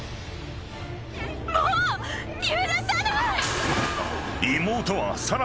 もう許さない！